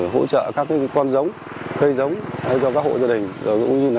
hỗ trợ các con giống cây giống cho các hộ gia đình